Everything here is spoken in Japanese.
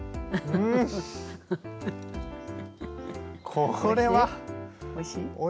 これはおいしいですよ。